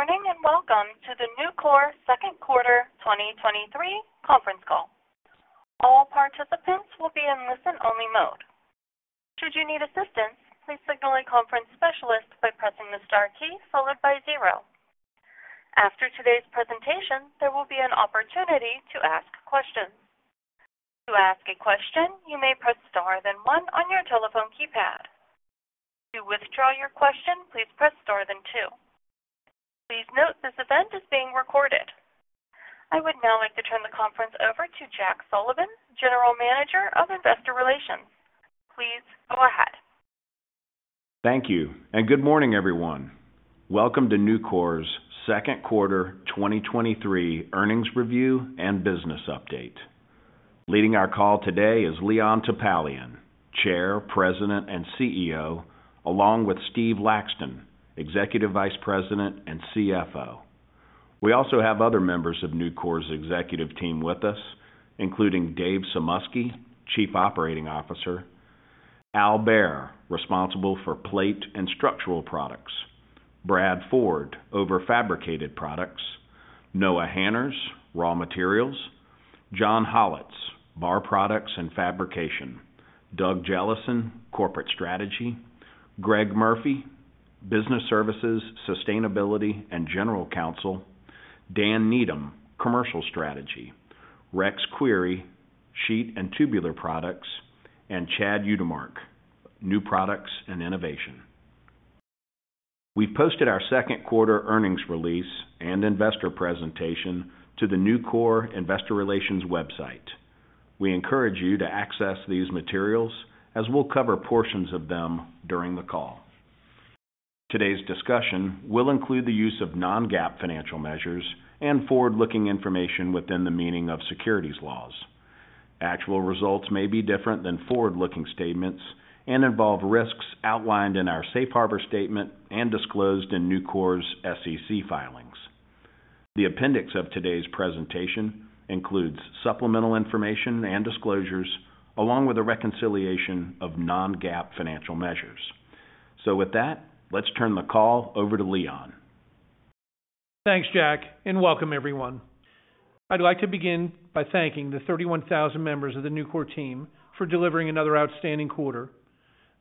Good morning, welcome to the Nucor second quarter 2023 conference call. All participants will be in listen-only mode. Should you need assistance, please signal a conference specialist by pressing the Star key followed by zero. After today's presentation, there will be an opportunity to ask questions. To ask a question, you may press Star, then one on your telephone keypad. To withdraw your question, please press Star, then two. Please note, this event is being recorded. I would now like to turn the conference over to Jack Sullivan, General Manager of Investor Relations. Please go ahead. Thank you. Good morning, everyone. Welcome to Nucor's second quarter 2023 earnings review and business update. Leading our call today is Leon Topalian, Chair, President, and CEO, along with Steve Laxton, Executive Vice President and CFO. We also have other members of Nucor's executive team with us, including Dave Sumoski, Chief Operating Officer, Al Behr, responsible for Plate and Structural Products, Brad Ford, over Fabricated Products, Noah Hanners, Raw Materials, John Hollatz, Bar Products and Fabrication, Doug Jellison, Corporate Strategy, Greg Murphy, Business Services, Sustainability, and General Counsel, Dan Needham, Commercial Strategy, Rex Query, Sheet and Tubular Products, and Chad Utermark, New Products and Innovation. We've posted our second quarter earnings release and investor presentation to the Nucor Investor Relations website. We encourage you to access these materials as we'll cover portions of them during the call. Today's discussion will include the use of non-GAAP financial measures and forward-looking information within the meaning of securities laws. Actual results may be different than forward-looking statements and involve risks outlined in our Safe Harbor statement and disclosed in Nucor's SEC filings. The appendix of today's presentation includes supplemental information and disclosures, along with a reconciliation of non-GAAP financial measures. With that, let's turn the call over to Leon. Thanks, Jack, and welcome everyone. I'd like to begin by thanking the 31,000 members of the Nucor team for delivering another outstanding quarter.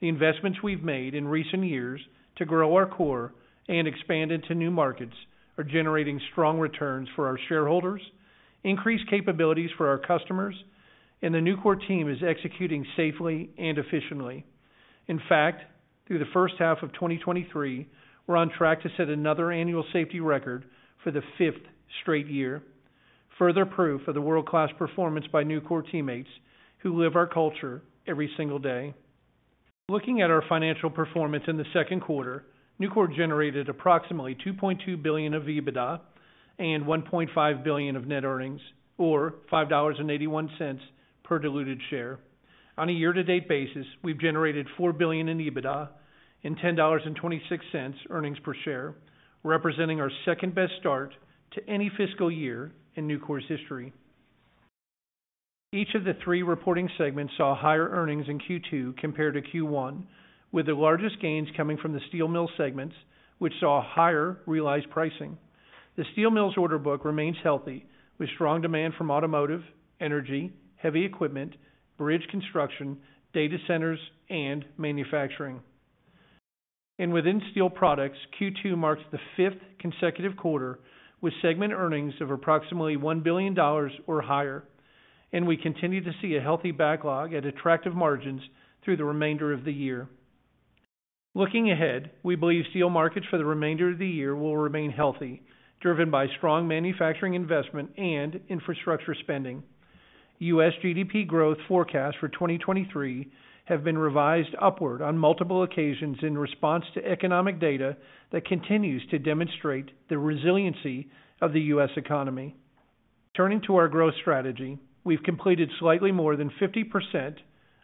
The investments we've made in recent years to grow our core and expand into new markets are generating strong returns for our shareholders, increased capabilities for our customers, and the Nucor team is executing safely and efficiently. In fact, through the first half of 2023, we're on track to set another annual safety record for the fifth straight year. Further proof of the world-class performance by Nucor teammates, who live our culture every single day. Looking at our financial performance in the second quarter, Nucor generated approximately $2.2 billion of EBITDA and $1.5 billion of net earnings, or $5.81 per diluted share. On a year-to-date basis, we've generated $4 billion in EBITDA and $10.26 earnings per share, representing our second-best start to any fiscal year in Nucor's history. Each of the three reporting segments saw higher earnings in Q2 compared to Q1, with the largest gains coming from the steel mill segments, which saw higher realized pricing. The steel mills order book remains healthy, with strong demand from automotive, energy, heavy equipment, bridge construction, data centers, and manufacturing. Within steel products, Q2 marks the fifth consecutive quarter with segment earnings of approximately $1 billion or higher, and we continue to see a healthy backlog at attractive margins through the remainder of the year. Looking ahead, we believe steel markets for the remainder of the year will remain healthy, driven by strong manufacturing investment and infrastructure spending. U.S. GDP growth forecast for 2023 have been revised upward on multiple occasions in response to economic data that continues to demonstrate the resiliency of the U.S. economy. Turning to our growth strategy, we've completed slightly more than 50%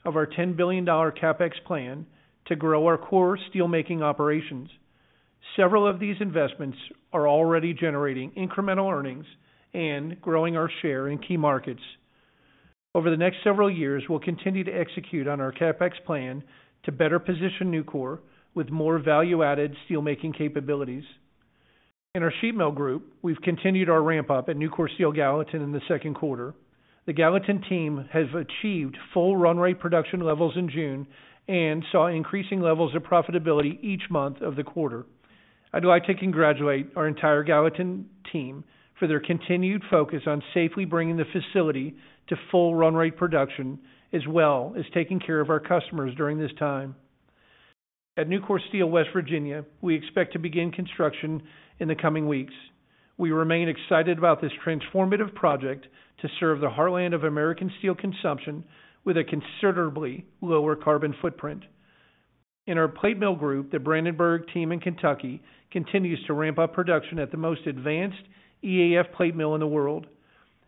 of our $10 billion CapEx plan to grow our core steelmaking operations. Several of these investments are already generating incremental earnings and growing our share in key markets. Over the next several years, we'll continue to execute on our CapEx plan to better position Nucor with more value-added steelmaking capabilities. In our sheet mill group, we've continued our ramp-up at Nucor Steel Gallatin in the second quarter. The Gallatin team has achieved full run rate production levels in June and saw increasing levels of profitability each month of the quarter. I'd like to congratulate our entire Gallatin team for their continued focus on safely bringing the facility to full run rate production, as well as taking care of our customers during this time. At Nucor Steel West Virginia, we expect to begin construction in the coming weeks. We remain excited about this transformative project to serve the heartland of American steel consumption with a considerably lower carbon footprint. In our plate mill group, the Brandenburg team in Kentucky continues to ramp up production at the most advanced EAF plate mill in the world.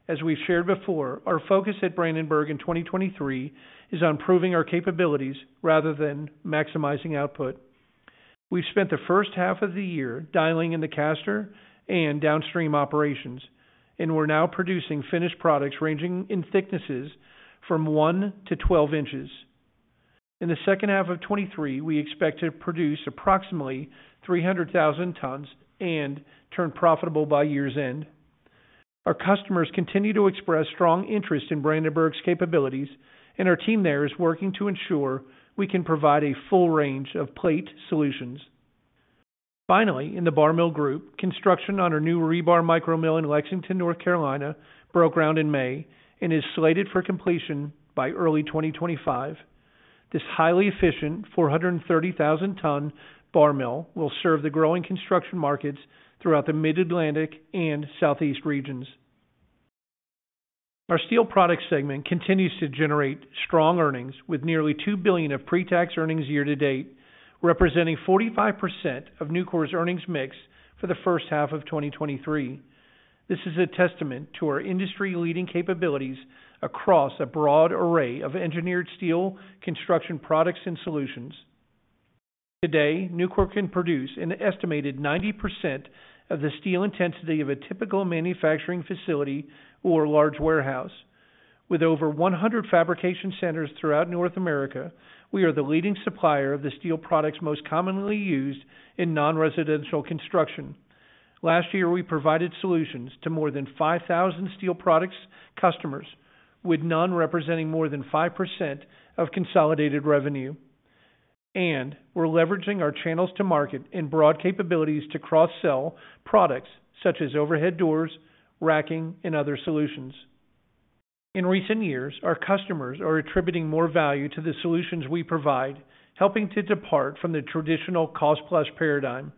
As we've shared before, our focus at Brandenburg in 2023 is on improving our capabilities rather than maximizing output. We've spent the first half of the year dialing in the caster and downstream operations, and we're now producing finished products ranging in thicknesses from one to 12 inches. In the second half of 2023, we expect to produce approximately 300,000 tons and turn profitable by year's end. Our customers continue to express strong interest in Brandenburg's capabilities, and our team there is working to ensure we can provide a full range of plate solutions. Finally, in the Bar Mill Group, construction on our new rebar micro mill in Lexington, North Carolina, broke ground in May and is slated for completion by early 2025. This highly efficient 430,000 ton bar mill will serve the growing construction markets throughout the Mid-Atlantic and Southeast regions. Our steel products segment continues to generate strong earnings, with nearly $2 billion of pretax earnings year to date, representing 45% of Nucor's earnings mix for the first half of 2023. This is a testament to our industry-leading capabilities across a broad array of engineered steel construction products and solutions. Today, Nucor can produce an estimated 90% of the steel intensity of a typical manufacturing facility or a large warehouse. With over 100 fabrication centers throughout North America, we are the leading supplier of the steel products most commonly used in non-residential construction. Last year, we provided solutions to more than 5,000 steel products customers, with none representing more than 5% of consolidated revenue, and we're leveraging our channels to market in broad capabilities to cross-sell products such as overhead doors, racking, and other solutions. In recent years, our customers are attributing more value to the solutions we provide, helping to depart from the traditional cost-plus paradigm.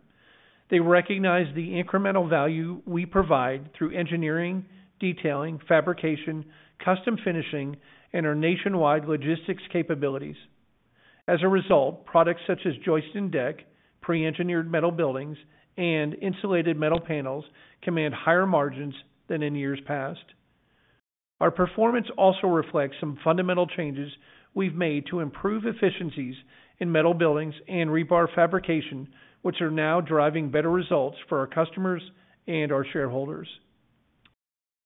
They recognize the incremental value we provide through engineering, detailing, fabrication, custom finishing, and our nationwide logistics capabilities. As a result, products such as joist and deck, pre-engineered metal buildings, and insulated metal panels command higher margins than in years past. Our performance also reflects some fundamental changes we've made to improve efficiencies in metal buildings and rebar fabrication, which are now driving better results for our customers and our shareholders.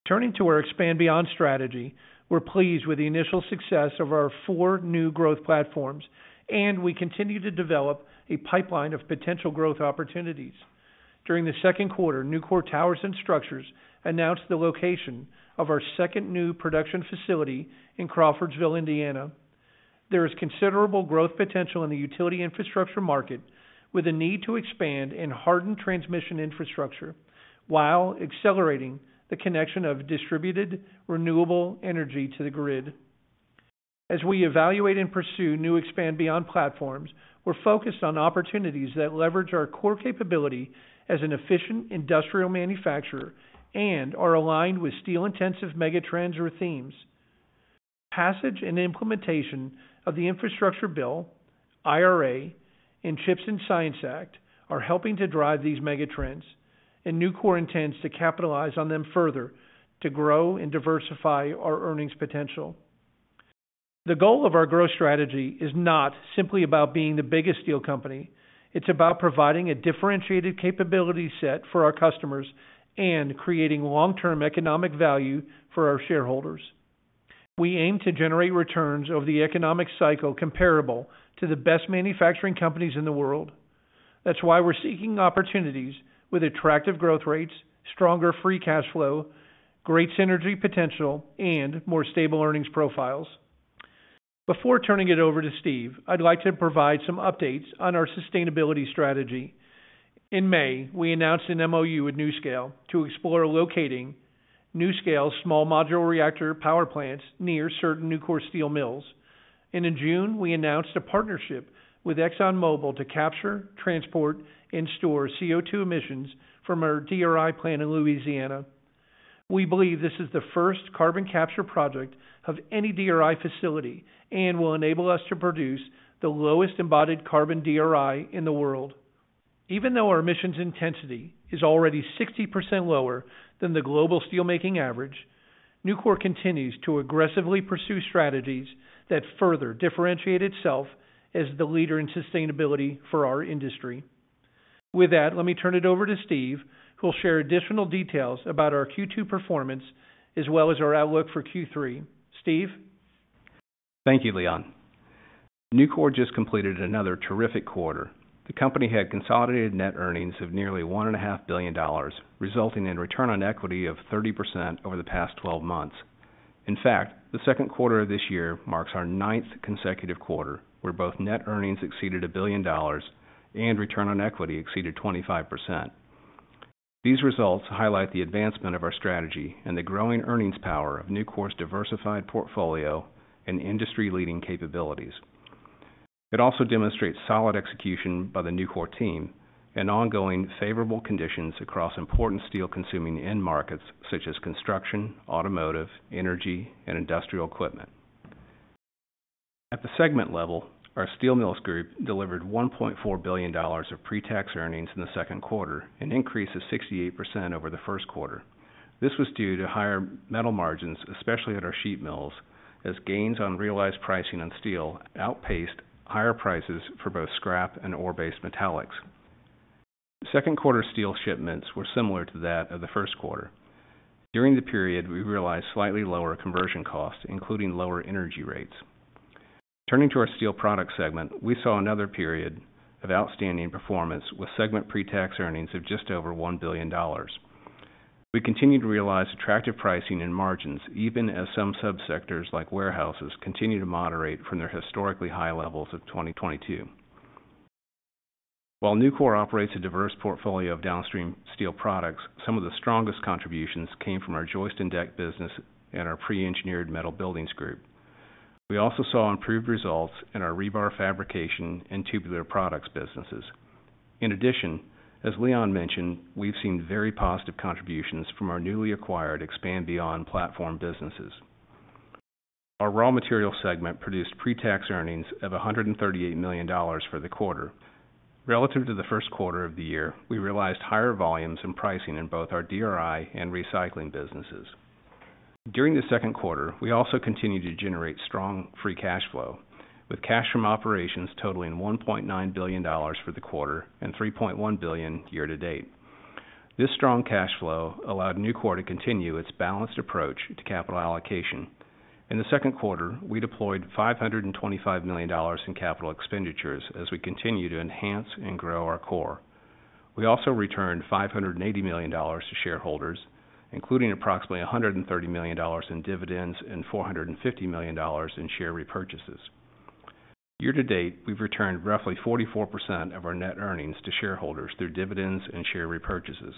Turning to our Expand Beyond strategy, we're pleased with the initial success of our four new growth platforms, and we continue to develop a pipeline of potential growth opportunities. During the Q2, Nucor Towers & Structures announced the location of our second new production facility in Crawfordsville, Indiana. There is considerable growth potential in the utility infrastructure market, with a need to expand and harden transmission infrastructure while accelerating the connection of distributed renewable energy to the grid. As we evaluate and pursue new Expand Beyond platforms, we're focused on opportunities that leverage our core capability as an efficient industrial manufacturer and are aligned with steel-intensive megatrends or themes. Passage and implementation of the infrastructure bill, IRA, and CHIPS and Science Act are helping to drive these megatrends, and Nucor intends to capitalize on them further to grow and diversify our earnings potential. The goal of our growth strategy is not simply about being the biggest steel company. It's about providing a differentiated capability set for our customers and creating long-term economic value for our shareholders. We aim to generate returns over the economic cycle comparable to the best manufacturing companies in the world. That's why we're seeking opportunities with attractive growth rates, stronger free cash flow, great synergy potential, and more stable earnings profiles. Before turning it over to Steve, I'd like to provide some updates on our sustainability strategy. In May, we announced an MOU with NuScale to explore locating NuScale's small modular reactor power plants near certain Nucor Steel mills. In June, we announced a partnership with ExxonMobil to capture, transport, and store CO2 emissions from our DRI plant in Louisiana. We believe this is the first carbon capture project of any DRI facility and will enable us to produce the lowest embodied carbon DRI in the world. Even though our emissions intensity is already 60% lower than the global steelmaking average, Nucor continues to aggressively pursue strategies that further differentiate itself as the leader in sustainability for our industry. With that, let me turn it over to Steve, who will share additional details about our Q2 performance as well as our outlook for Q3. Steve? Thank you, Leon. Nucor just completed another terrific quarter. The company had consolidated net earnings of nearly one and a half billion dollars, resulting in return on equity of 30% over the past 12 months. In fact, the second quarter of this year marks our ninth consecutive quarter, where both net earnings exceeded $1 billion and return on equity exceeded 25%. These results highlight the advancement of our strategy and the growing earnings power of Nucor's diversified portfolio and industry-leading capabilities. It also demonstrates solid execution by the Nucor team and ongoing favorable conditions across important steel consuming end markets such as construction, automotive, energy, and industrial equipment. At the segment level, our Steel Mills Group delivered $1.4 billion of pretax earnings in the second quarter, an increase of 68% over the first quarter. This was due to higher metal margins, especially at our sheet mills, as gains on realized pricing on steel outpaced higher prices for both scrap and ore-based metallics. Second quarter steel shipments were similar to that of the first quarter. During the period, we realized slightly lower conversion costs, including lower energy rates. Turning to our steel products segment, we saw another period of outstanding performance, with segment pretax earnings of just over $1 billion. We continued to realize attractive pricing and margins, even as some subsectors, like warehouses, continue to moderate from their historically high levels of 2022. While Nucor operates a diverse portfolio of downstream steel products, some of the strongest contributions came from our joist and deck business and our pre-engineered metal buildings group. We also saw improved results in our rebar fabrication and tubular products businesses. In addition, as Leon mentioned, we've seen very positive contributions from our newly acquired Expand Beyond platform businesses. Our raw material segment produced pretax earnings of $138 million for the quarter. Relative to the first quarter of the year, we realized higher volumes in pricing in both our DRI and recycling businesses. During the second quarter, we also continued to generate strong free cash flow, with cash from operations totaling $1.9 billion for the quarter and $3.1 billion year-to-date. This strong cash flow allowed Nucor to continue its balanced approach to capital allocation. In the second quarter, we deployed $525 million in capital expenditures as we continue to enhance and grow our core. We also returned $580 million to shareholders, including approximately $130 million in dividends and $450 million in share repurchases. Year to date, we've returned roughly 44% of our net earnings to shareholders through dividends and share repurchases.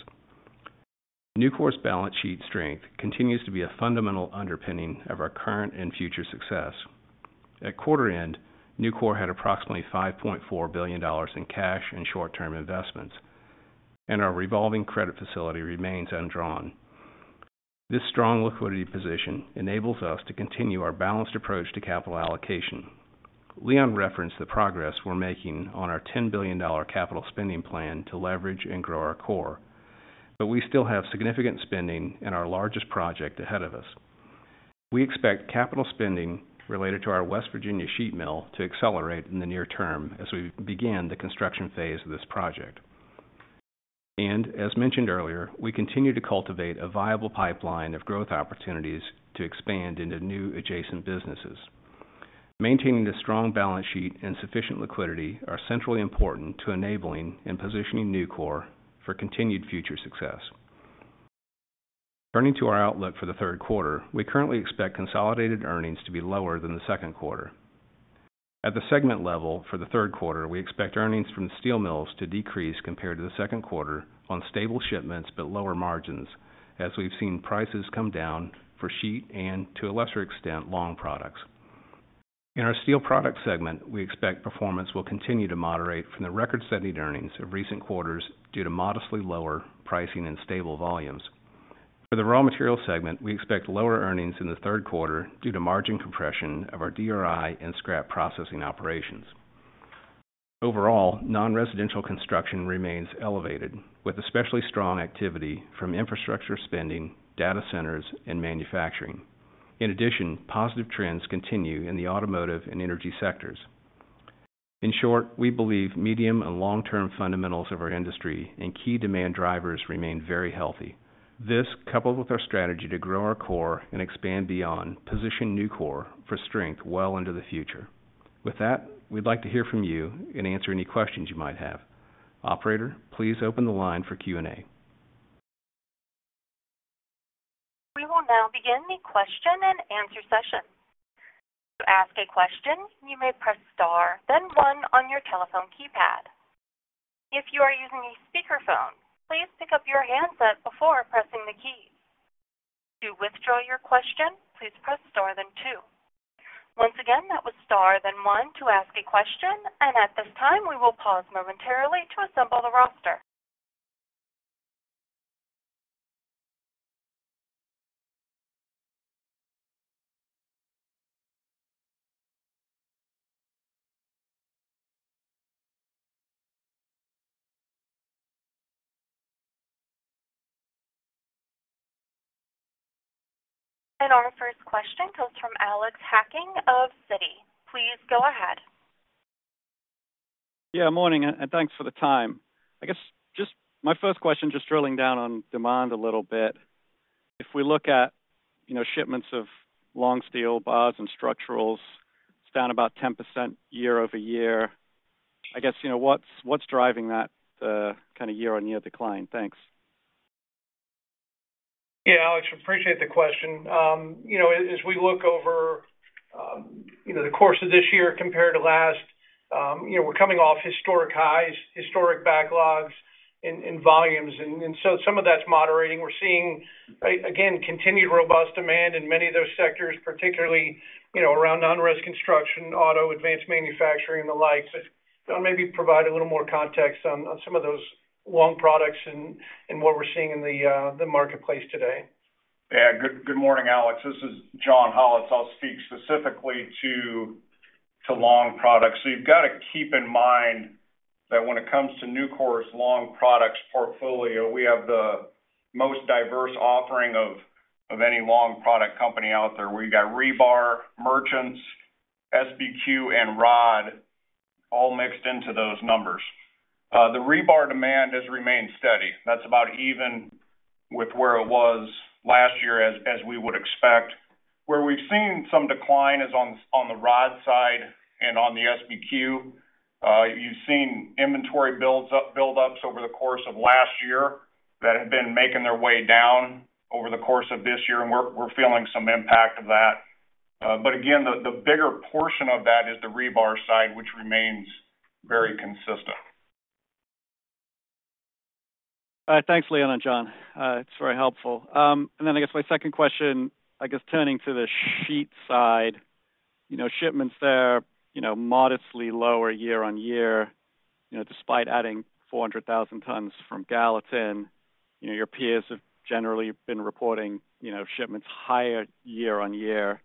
Nucor's balance sheet strength continues to be a fundamental underpinning of our current and future success. At quarter end, Nucor had approximately $5.4 billion in cash and short-term investments, and our revolving credit facility remains undrawn. This strong liquidity position enables us to continue our balanced approach to capital allocation. Leon referenced the progress we're making on our $10 billion capital spending plan to leverage and grow our core, but we still have significant spending and our largest project ahead of us. We expect capital spending related to our West Virginia sheet mill to accelerate in the near term as we begin the construction phase of this project. As mentioned earlier, we continue to cultivate a viable pipeline of growth opportunities to expand into new adjacent businesses. Maintaining this strong balance sheet and sufficient liquidity are centrally important to enabling and positioning Nucor for continued future success. Turning to our outlook for the third quarter, we currently expect consolidated earnings to be lower than the second quarter. At the segment level for the third quarter, we expect earnings from the steel mills to decrease compared to the second quarter on stable shipments but lower margins, as we've seen prices come down for sheet and, to a lesser extent, long products. In our steel product segment, we expect performance will continue to moderate from the record-setting earnings of recent quarters due to modestly lower pricing and stable volumes. For the raw material segment, we expect lower earnings in the third quarter due to margin compression of our DRI and scrap processing operations. Overall, non-residential construction remains elevated, with especially strong activity from infrastructure spending, data centers, and manufacturing. In addition, positive trends continue in the automotive and energy sectors. In short, we believe medium and long-term fundamentals of our industry and key demand drivers remain very healthy. This, coupled with our strategy to grow our core and expand beyond, position Nucor for strength well into the future. With that, we'd like to hear from you and answer any questions you might have. Operator, please open the line for Q&A. We will now begin the question and answer session. To ask a question, you may press star, then one on your telephone keypad. If you are using a speakerphone, please pick up your handset before pressing the keys. To withdraw your question, please press star, then two. Once again, that was star, then one to ask a question, and at this time, we will pause momentarily to assemble the roster. Our first question comes from Alex Hacking of Citi. Please go ahead. Yeah, morning, and thanks for the time. I guess just my first question, just drilling down on demand a little bit. If we look at, you, shipments of long steel bars and structurals, it's down about 10% year-over-year. I guess, you know, what's driving that, kind of year-on-year decline? Thanks. Alex, appreciate the question. You know, as we look over, you know, the course of this year compared to last, you know, we're coming off historic highs, historic backlogs and volumes, and so some of that's moderating. We're seeing, right again, continued robust demand in many of those sectors, particularly, you know, around non-res construction, auto, advanced manufacturing, and the like. I'll maybe provide a little more context on some of those long products and what we're seeing in the marketplace today. Good morning, Alex. This is John Hollatz. I'll speak specifically to long products. You've got to keep in mind that when it comes to Nucor's long products portfolio, we have the most diverse offering of any long product company out there, where you got rebar, SBQ and rod all mixed into those numbers. The rebar demand has remained steady. That's about even with where it was last year, as we would expect. Where we've seen some decline is on the rod side and on the SBQ. You've seen inventory buildups over the course of last year that have been making their way down over the course of this year, and we're feeling some impact of that. Again, the bigger portion of that is the rebar side, which remains very consistent. Thanks, Leon and John. It's very helpful. I guess, my second question, I guess turning to the sheet side, you know, shipments there, you know, modestly lower year-on-year, you know, despite adding 400,000 tons from Gallatin. You know, your peers have generally been reporting, you know, shipments higher year-on-year.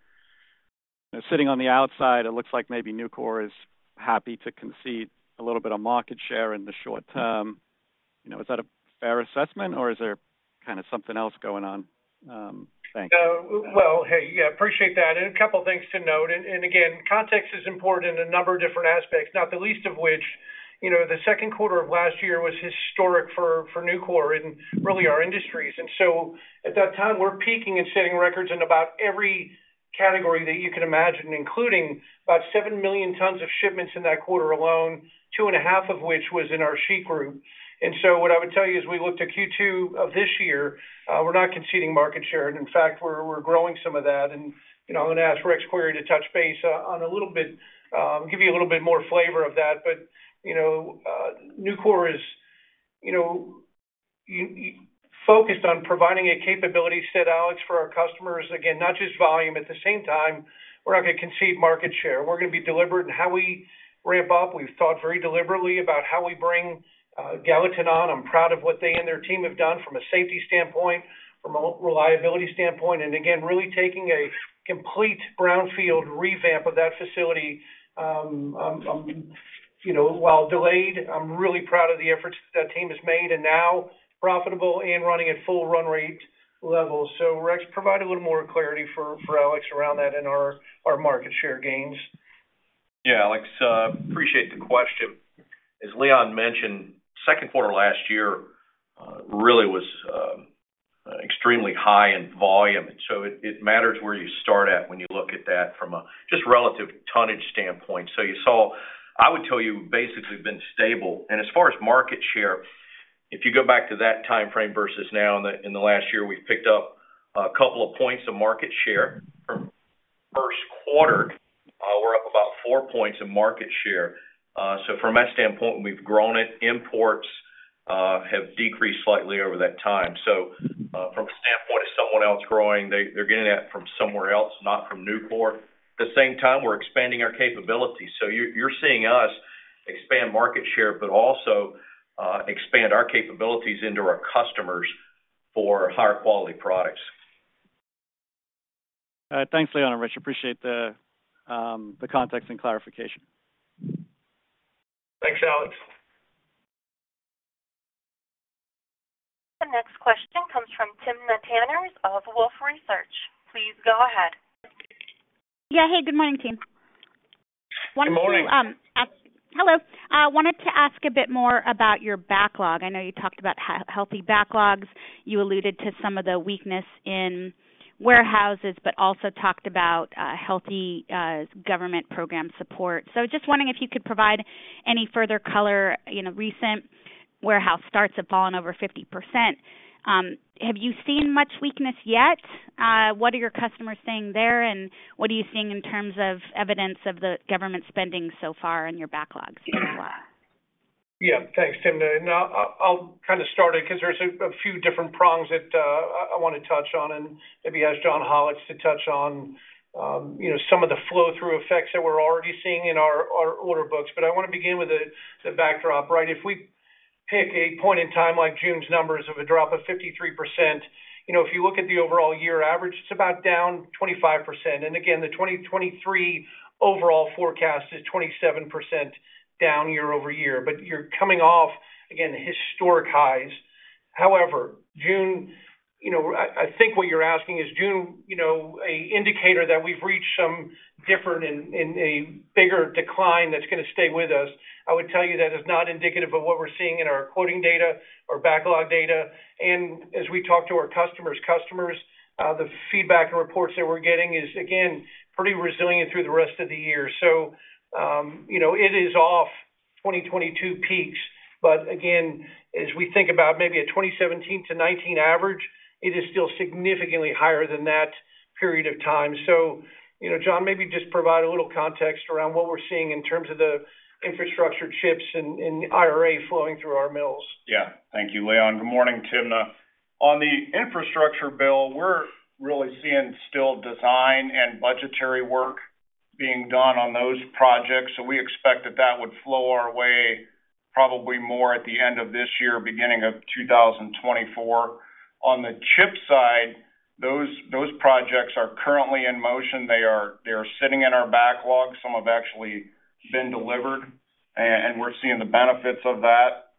Sitting on the outside, it looks like maybe Nucor is happy to concede a little bit of market share in the short term. You know, is that a fair assessment, or is there kind of something else going on? Thanks. Well, hey, yeah, appreciate that, and a couple of things to note. Again, context is important in a number of different aspects, not the least of which, you know, the second quarter of last year was historic for Nucor and really our industries. At that time, we're peaking and setting records in about every category that you can imagine, including about 7 million tons of shipments in that quarter alone, 2.5 of which was in our sheet group. What I would tell you is, we looked at Q2 of this year, we're not conceding market share, and in fact, we're growing some of that. You know, I'm going to ask Rex Query to touch base on a little bit, give you a little bit more flavor of that. You know, Nucor is, you know, focused on providing a capability set, Alex, for our customers. Again, not just volume. At the same time, we're not going to concede market share. We're going to be deliberate in how we ramp up. We've thought very deliberately about how we bring Gallatin on. I'm proud of what they and their team have done from a safety standpoint, from a reliability standpoint, and again, really taking a complete brownfield revamp of that facility. You know, while delayed, I'm really proud of the efforts that team has made and now profitable and running at full run rate levels. Rex, provide a little more clarity for Alex around that in our market share gains. Alex, appreciate the question. As Leon mentioned, second quarter last year, really was extremely high in volume, and so it matters where you start at when you look at that from a just relative tonnage standpoint. I would tell you, basically, we've been stable. As far as market share, if you go back to that time frame versus now, in the last year, we've picked up a couple of points of market share. From first quarter, we're up about four points in market share. From that standpoint, we've grown it. Imports have decreased slightly over that time. From a standpoint of someone else growing, they're getting that from somewhere else, not from Nucor. At the same time, we're expanding our capabilities. You're seeing us expand market share, but also, expand our capabilities into our customers for higher quality products. Thanks, Leon and Rex. Appreciate the context and clarification. Thanks, Alex. The next question comes from Timna Tanners of Wolfe Research. Please go ahead. Yeah. Hey, good morning, team. Good morning. Hello. I wanted to ask a bit more about your backlog. I know you talked about healthy backlogs. You alluded to some of the weakness in warehouses, but also talked about healthy government program support. Just wondering if you could provide any further color. You know, recent warehouse starts have fallen over 50%. Have you seen much weakness yet? What are your customers saying there, and what are you seeing in terms of evidence of the government spending so far in your backlogs as well? Yeah. Thanks, Timna. I'll kind of start it because there's a few different prongs that I want to touch on, and maybe ask John Hollatz to touch on, you know, some of the flow-through effects that we're already seeing in our order books. I want to begin with the backdrop, right? If we pick a point in time, like June's numbers of a drop of 53%, you know, if you look at the overall year average, it's about down 25%. Again, the 2023 overall forecast is 27% down year-over-year, but you're coming off, again, historic highs. However, June, you know, I think what you're asking is June, you know, an indicator that we've reached some different and a bigger decline that's going to stay with us. I would tell you that is not indicative of what we're seeing in our quoting data or backlog data. As we talk to our customers, the feedback and reports that we're getting is, again, pretty resilient through the rest of the year. You know, it is off 2022 peaks. Again, as we think about maybe a 2017 to 2019 average, it is still significantly higher than that period of time. You know, John, maybe just provide a little context around what we're seeing in terms of the infrastructure CHIPS and IRA flowing through our mills. Yeah. Thank you, Leon. Good morning, Timna. On the infrastructure bill, we're really seeing still design and budgetary work being done on those projects. We expect that that would flow our way probably more at the end of this year, beginning of 2024. On the chip side, those projects are currently in motion. They are sitting in our backlog. Some have actually been delivered, and we're seeing the benefits of that.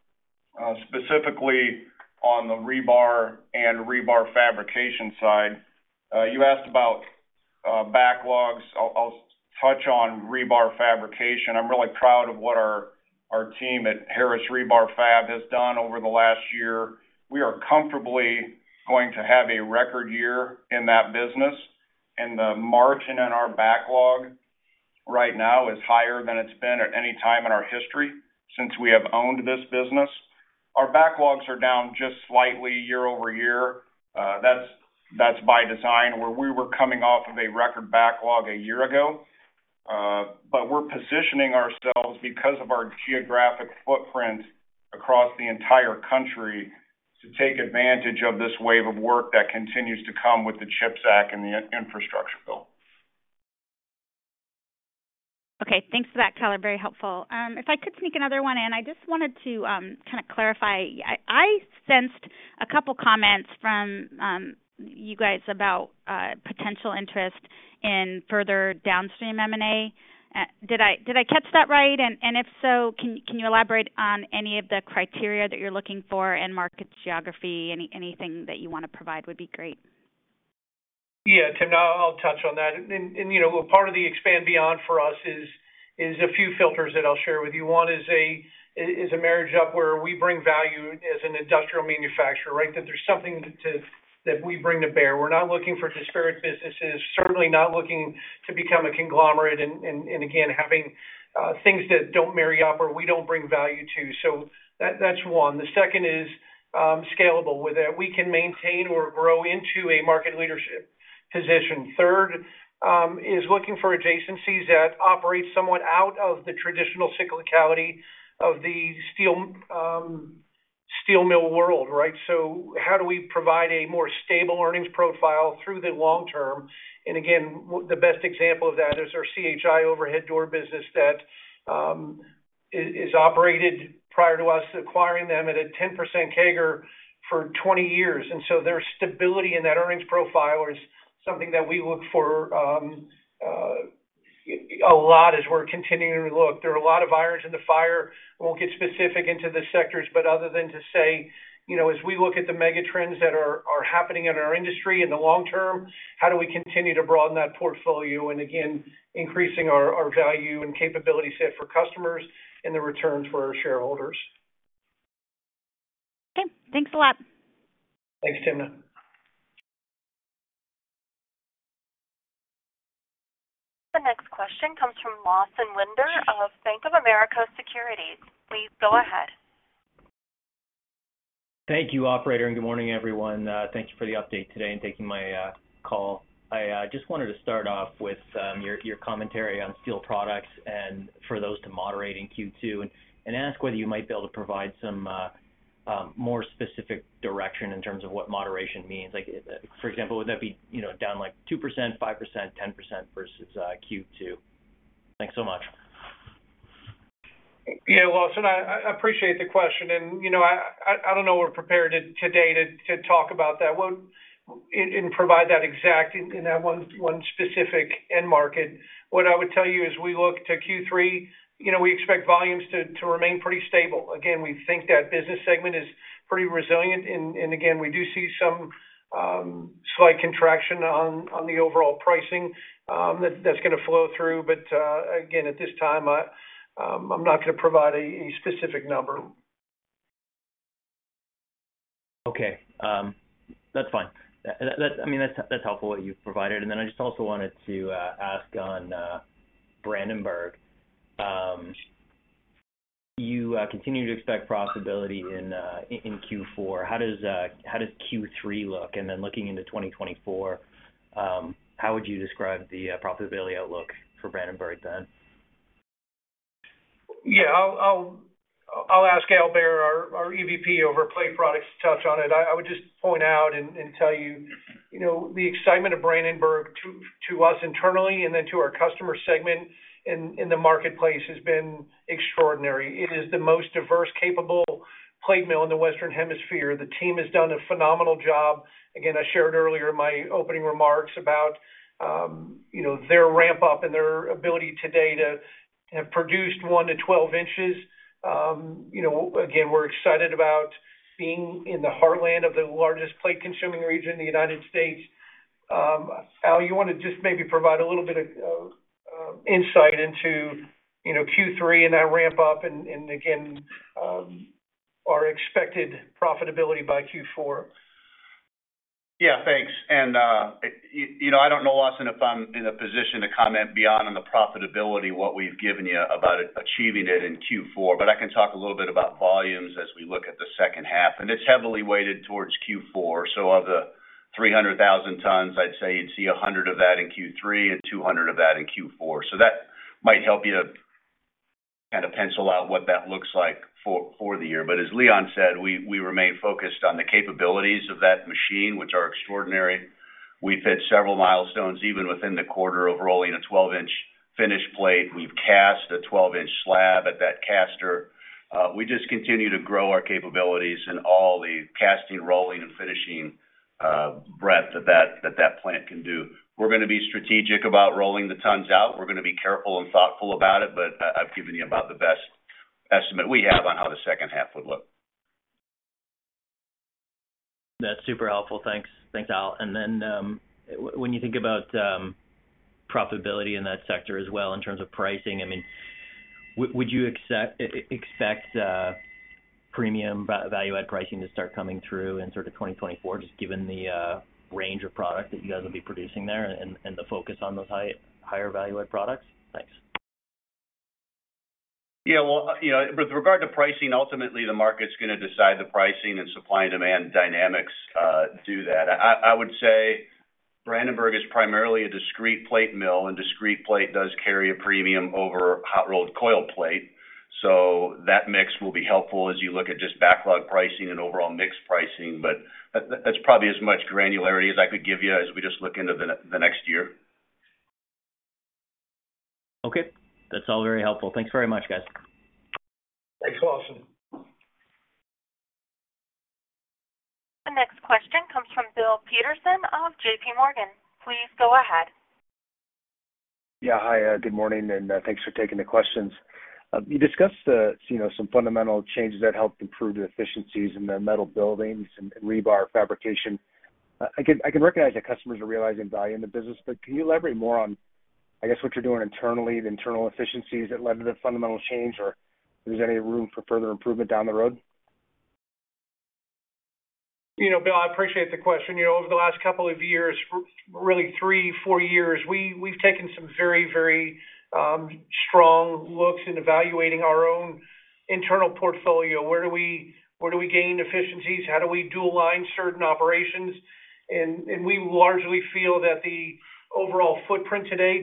Specifically on the rebar and rebar fabrication side. You asked about backlogs. I'll touch on rebar fabrication. I'm really proud of what our team at Harris Rebar Fab has done over the last year. We are comfortably going to have a record year in that business, and the margin in our backlog right now is higher than it's been at any time in our history since we have owned this business. Our backlogs are down just slightly year-over-year. That's by design, where we were coming off of a record backlog a year ago. We're positioning ourselves because of our geographic footprint across the entire country, to take advantage of this wave of work that continues to come with the CHIPS Act and the infrastructure bill. Okay, thanks for that, Hollatz. Very helpful. If I could sneak another one in, I just wanted to kind of clarify. I sensed a couple comments from you guys about potential interest in further downstream M&A. Did I catch that right? If so, can you elaborate on any of the criteria that you're looking for in markets, geography? Anything that you want to provide would be great. Yeah, Timna, I'll touch on that. you know, part of the expand beyond for us is a few filters that I'll share with you. One is a marriage up where we bring value as an industrial manufacturer, right? That there's something that we bring to bear. We're not looking for disparate businesses, certainly not looking to become a conglomerate and again, having things that don't marry up or we don't bring value to. That's one. The second is scalable, where that we can maintain or grow into a market leadership position. Third, is looking for adjacencies that operate somewhat out of the traditional cyclicality of the steel mill world, right? How do we provide a more stable earnings profile through the long term? Again, the best example of that is our C.H.I. overhead door business that is operated prior to us acquiring them at a 10% CAGR for 20 years. Their stability in that earnings profile is something that we look for a lot as we're continuing to look. There are a lot of irons in the fire. I won't get specific into the sectors, but other than to say, you know, as we look at the mega trends that are happening in our industry in the long term, how do we continue to broaden that portfolio? Again, increasing our value and capability set for customers and the returns for our shareholders. Okay, thanks a lot. Thanks, Timna. The next question comes from Lawson Winder of Bank of America Securities. Please go ahead. Thank you, operator, and good morning, everyone. Thank you for the update today and taking my call. I just wanted to start off with your commentary on steel products and for those to moderate in Q2, and ask whether you might be able to provide some more specific direction in terms of what moderation means. Like, for example, would that be, you know, down like 2%, 5%, 10% versus Q2? Thanks so much. Lawson, I appreciate the question. You know, I don't know we're prepared today to talk about that. We'll and provide that exact in that one specific end market. What I would tell you as we look to Q3, you know, we expect volumes to remain pretty stable. Again, we think that business segment is pretty resilient and again, we do see some slight contraction on the overall pricing that's gonna flow through. Again, at this time, I'm not gonna provide a specific number. Okay. That's fine. That, I mean, that's helpful what you've provided. I just also wanted to ask on Brandenburg. You continue to expect profitability in Q4. How does Q3 look? Looking into 2024, how would you describe the profitability outlook for Brandenburg then? I'll ask Al Behr, our EVP over plate products, to touch on it. I would just point out and tell you know, the excitement of Brandenburg to us internally and then to our customer segment in the marketplace has been extraordinary. It is the most diverse, capable plate mill in the Western Hemisphere. The team has done a phenomenal job. Again, I shared earlier in my opening remarks about, you know, their ramp-up and their ability today to have produced one to 12 inches. You know, again, we're excited about being in the heartland of the largest plate-consuming region in the United States. Al, you want to just maybe provide a little bit of insight into, you know, Q3 and that ramp up and, again, our expected profitability by Q4? Yeah, thanks. You know, I don't know, Lawson, if I'm in a position to comment beyond on the profitability, what we've given you about achieving it in Q4, but I can talk a little bit about volumes as we look at the second half, and it's heavily weighted towards Q4 of the 300,000 tons, I'd say you'd see 100 of that in Q3 and 200 of that in Q4. That might help you to kind of pencil out what that looks like for the year. As Leon said, we remain focused on the capabilities of that machine, which are extraordinary. We've hit several milestones, even within the quarter of rolling a 12-inch finished plate. We've cast a 12-inch slab at that caster. We just continue to grow our capabilities in all the casting, rolling, and finishing, breadth of that plant can do. We're gonna be strategic about rolling the tons out. We're gonna be careful and thoughtful about it, but I've given you about the best estimate we have on how the second half would look. That's super helpful. Thanks. Thanks, Al. Then, when you think about profitability in that sector as well, in terms of pricing, I mean, would you expect premium value-add pricing to start coming through in sort of 2024, just given the range of product that you guys will be producing there and the focus on those higher value-add products? Thanks. Yeah, well, you know, with regard to pricing, ultimately, the market's gonna decide the pricing, supply and demand dynamics do that. I would say Brandenburg is primarily a discrete plate mill, discrete plate does carry a premium over hot-rolled coil plate, that mix will be helpful as you look at just backlog pricing and overall mix pricing. That's probably as much granularity as I could give you as we just look into the next year. Okay. That's all very helpful. Thanks very much, guys. Thanks, Lawson. The next question comes from Bill Peterson of JPMorgan. Please go ahead. Yeah. Hi, good morning, and thanks for taking the questions. You discussed, you know, some fundamental changes that helped improve the efficiencies in the metal buildings and rebar fabrication. I can recognize that customers are realizing value in the business, but can you elaborate more on, I guess, what you're doing internally, the internal efficiencies that led to the fundamental change, or is there any room for further improvement down the road? You know, Bill, I appreciate the question. You know, over the last couple of years, really three, four years, we've taken some very strong looks in evaluating our own internal portfolio. Where do we gain efficiencies? How do we dual line certain operations? We largely feel that the overall footprint today,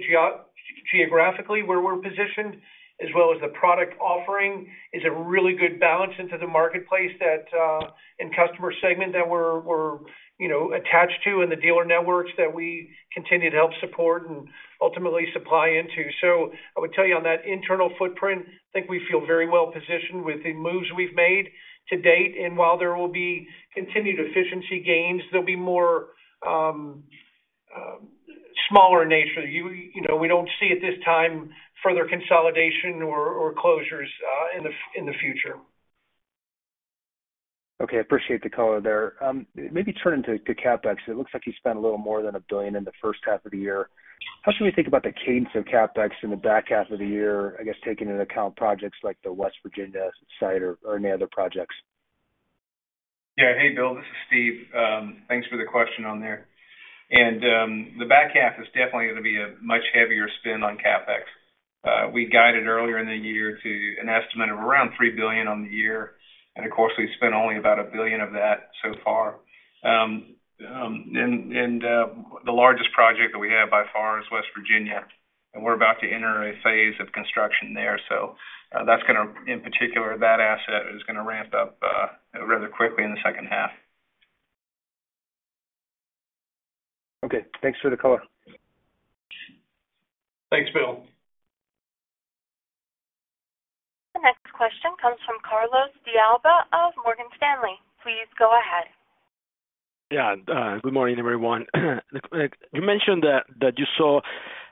geographically, where we're positioned, as well as the product offering, is a really good balance into the marketplace that and customer segment that we're, you know, attached to, and the dealer networks that we continue to help support and ultimately supply into. I would tell you on that internal footprint, I think we feel very well positioned with the moves we've made to date. While there will be continued efficiency gains, there'll be more, smaller in nature. You know, we don't see at this time further consolidation or closures, in the future. Okay, appreciate the color there. Maybe turning to CapEx, it looks like you spent a little more than $1 billion in the first half of the year. How should we think about the cadence of CapEx in the back half of the year, I guess, taking into account projects like the West Virginia site or any other projects? Yeah. Hey, Bill, this is Steve. Thanks for the question on there. The back half is definitely gonna be a much heavier spend on CapEx. We guided earlier in the year to an estimate of around $3 billion on the year, and of course, we've spent only about $1 billion of that so far. The largest project that we have by far is West Virginia, and we're about to enter a phase of construction there. In particular, that asset is gonna ramp up rather quickly in the second half. Okay, thanks for the color. Thanks, Bill. The next question comes from Carlos de Alba of Morgan Stanley. Please go ahead. Good morning, everyone. You mentioned that you saw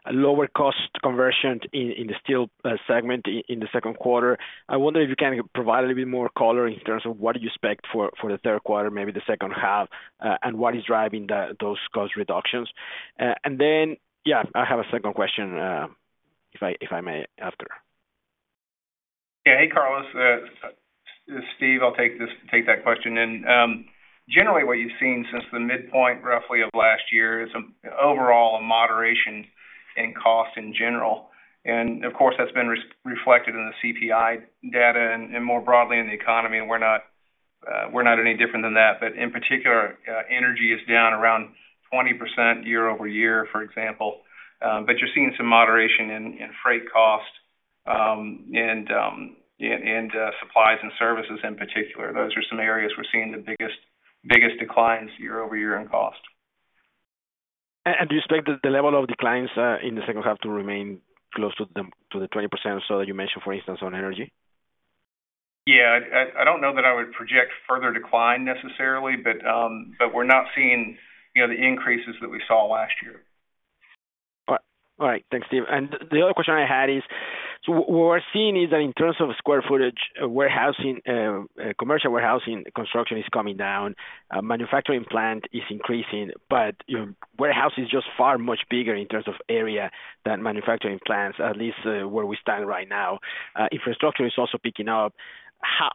a lower cost conversion in the steel segment in the second quarter. I wonder if you can provide a little bit more color in terms of what do you expect for the third quarter, maybe the second half, and what is driving those cost reductions? I have a second question, if I may, after. Yeah. Hey, Carlos, Steve, I'll take that question. Generally, what you've seen since the midpoint, roughly, of last year is, overall a moderation in cost in general. Of course, that's been reflected in the CPI data and more broadly in the economy, and we're not, we're not any different than that. In particular, energy is down around 20% year-over-year, for example. You're seeing some moderation in freight costs, and, supplies and services in particular. Those are some areas we're seeing the biggest declines year-over-year in cost. Do you expect the level of declines, in the second half to remain close to the 20% or so that you mentioned, for instance, on energy? Yeah. I don't know that I would project further decline necessarily, but we're not seeing, you know, the increases that we saw last year. All right. Thanks, Steve. The other question I had is: what we're seeing is that in terms of square footage, warehousing, commercial warehousing construction is coming down, manufacturing plant is increasing, but, you know, warehouse is just far much bigger in terms of area than manufacturing plants, at least, where we stand right now. Infrastructure is also picking up. How,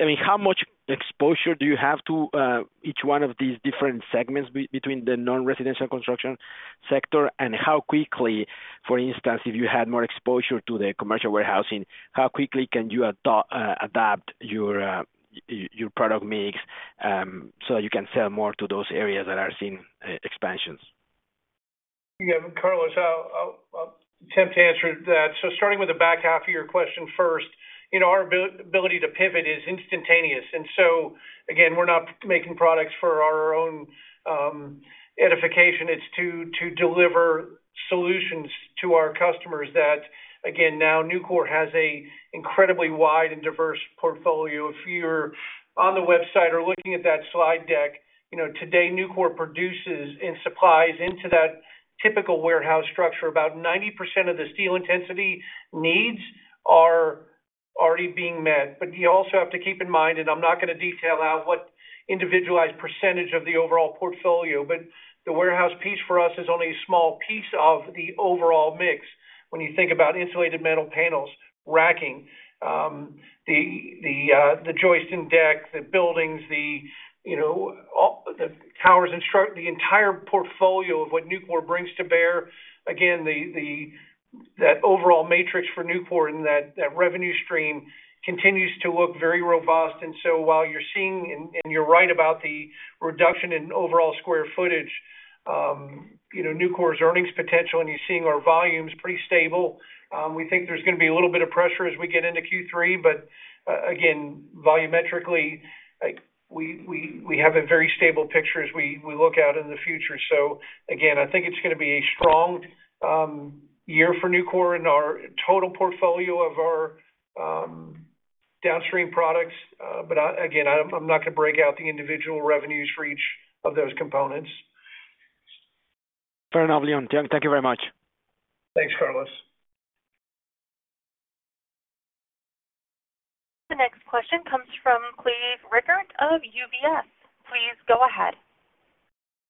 I mean, how much exposure do you have to each one of these different segments between the non-residential construction sector? How quickly, for instance, if you had more exposure to the commercial warehousing, how quickly can you adapt your product mix, so you can sell more to those areas that are seeing expansions? Yeah, Carlos, I'll attempt to answer that. Starting with the back half of your question first, you know, our ability to pivot is instantaneous, and so again, we're not making products for our edification, it's to deliver solutions to our customers that, again, now Nucor has a incredibly wide and diverse portfolio. If you're on the website or looking at that slide deck, you know, today, Nucor produces and supplies into that typical warehouse structure. About 90% of the steel intensity needs are already being met. You also have to keep in mind, and I'm not going to detail out what individualized percentage of the overall portfolio, but the warehouse piece for us is only a small piece of the overall mix. When you think about insulated metal panels, racking, the joist and deck, the buildings, you know, the towers and structures, the entire portfolio of what Nucor brings to bear, again, that overall matrix for Nucor and that revenue stream continues to look very robust. While you're seeing, and you're right about the reduction in overall square footage, you know, Nucor's earnings potential, and you're seeing our volumes pretty stable. We think there's gonna be a little bit of pressure as we get into Q3, but again, volumetrically, we have a very stable picture as we look out in the future. Again, I think it's gonna be a strong year for Nucor in our total portfolio of our downstream products. Again, I'm not gonna break out the individual revenues for each of those components. Fair enough, Leon. Thank you very much. Thanks, Carlos. The next question comes from Cleve Rueckert of UBS. Please go ahead.